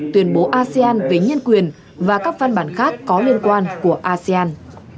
tuyên bố asean về nhân quyền và các văn bản khác có liên quan của asean